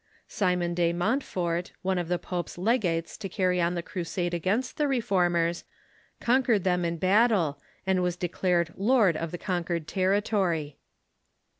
Simon de Montfort, one of the pope's legates to carry on the crusade against the reformers, conquered them in bat tle, and was declared lord of the conquered territory.